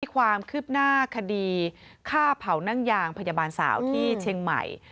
ความคืบหน้าคดีฆ่าเผานั่งยางพยาบาลสาวที่เชียงใหม่